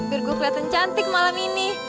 biar gue kelihatan cantik malam ini